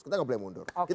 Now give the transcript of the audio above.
kita gak boleh mundur